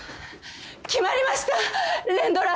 決まりました連ドラ！